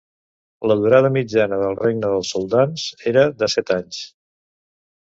La durada mitjana del regne dels soldans era de set anys.